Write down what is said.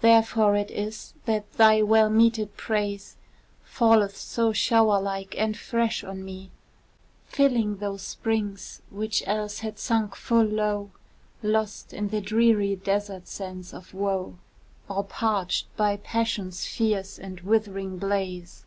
Therefore it is that thy well meted praise Falleth so shower like and fresh on me, Filling those springs which else had sunk full low, Lost in the dreary desert sands of woe, Or parched by passion's fierce and withering blaze.